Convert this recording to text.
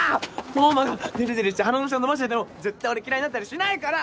刀磨がデレデレして鼻の下伸ばしてても絶対俺嫌いになったりしないから！